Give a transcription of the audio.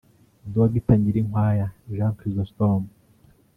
Dr Nyirinkwaya Jean Chrysostome